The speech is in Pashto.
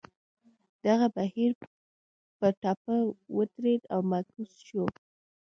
دغه بهیر په ټپه ودرېد او معکوس شو.